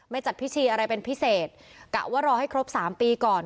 จัดพิธีอะไรเป็นพิเศษกะว่ารอให้ครบสามปีก่อน